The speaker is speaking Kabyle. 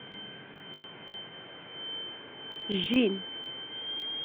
Jjin.